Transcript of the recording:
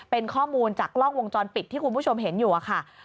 เป็นข้อมูลจากกล้องวงจรปิดที่คุณผู้ชมเห็นอยู่ค่ะ